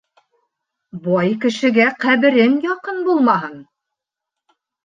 Бай кешегә ҡәберең яҡын булмаһын.